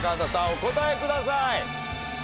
お答えください。